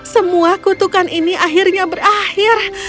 semua kutukan ini akhirnya berakhir